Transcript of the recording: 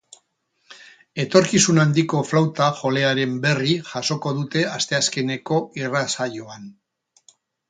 Etorkizun handiko flauta jolearen berri jasoko dute asteazkeneko irratsaioan.